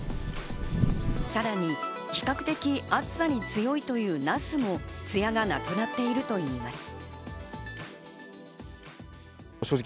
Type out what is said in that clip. さらに比較的、暑さに強いというナスも艶がなくなっているといいます。